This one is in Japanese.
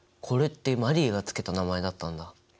これってマリーが付けた名前だったんだ。